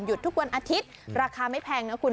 ทุกวันอาทิตย์ราคาไม่แพงนะคุณ